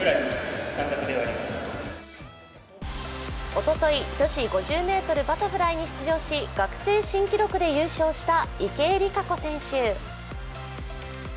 おととい女子５０ｍバタフライに出場し学生新記録で優勝した池江璃花子選手。